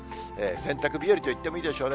洗濯日和と言ってもいいでしょうね。